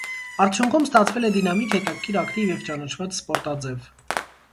Արդյունքում ստացվել է դինամիկ, հետաքրքիր, ակտիվ և ճանաչված սպորտաձև։